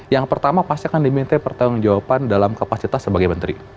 yang pertama pasti akan diminta pertanggung jawaban dalam kapasitas sebagai menteri